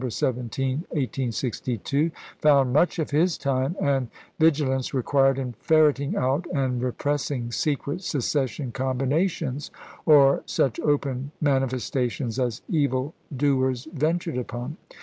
xix. December 17, 1862, found much of his time and vigi lance required in ferreting out and repressing secret secession combinations, or such open manifesta tions as evil doers ventured upon.